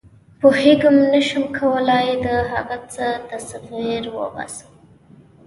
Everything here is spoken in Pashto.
پوهېږم نه شم کولای د هغه څه تصویر وباسم.